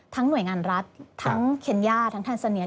ทั้งหน่วยงานรัฐทั้งเขียนญาติทั้งทันสเนีย